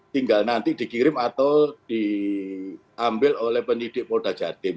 tinggal nanti dikirim atau diambil oleh penyidik polda jatim